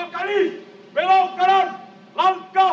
kembali ke tempat